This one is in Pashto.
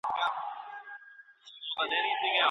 د ښووني پوهنځۍ بې بودیجې نه تمویلیږي.